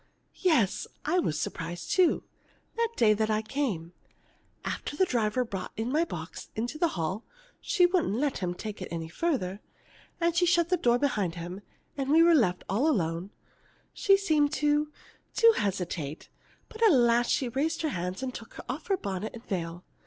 "Yes, I was surprised too, that day I came. After the driver had brought my box into the hall (she wouldn't let him take it any farther), and she had shut the door behind him and we were left alone, she seemed to to hesitate, but at last she raised her hands and took off her bonnet and veil.